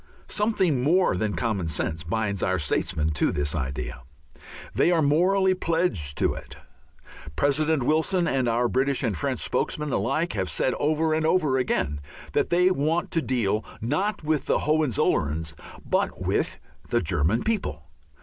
Something more than common sense binds our statesmen to this idea. They are morally pledged to it. President Wilson and our British and French spokesmen alike have said over and over again that they want to deal not with the Hohenzollerns but with the German people.